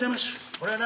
これはな